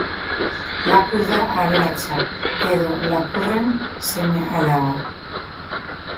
Lapur da aberatsa, edo lapurren seme-alaba.